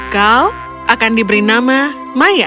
kau akan diberi nama maya